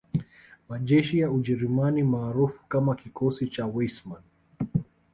Majeshi ya Ujerumani maarufu kama Kikosi cha Wissmann